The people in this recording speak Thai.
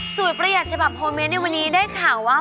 ประหยัดฉบับโฮเมนต์ในวันนี้ได้ข่าวว่า